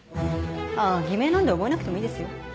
偽名なんで覚えなくてもいいですよ。